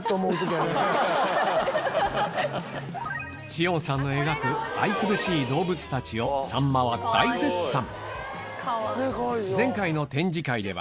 シオンさんの描く愛くるしい動物たちをさんまは大絶賛